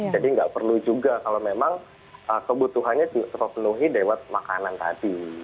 jadi gak perlu juga kalau memang kebutuhannya sepenuhi dewat makanan tadi